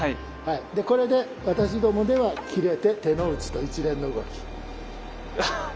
でこれで私どもでは「斬れて手の内」と一連の動き。